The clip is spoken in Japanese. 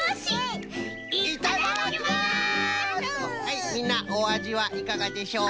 はいみんなおあじはいかがでしょうか？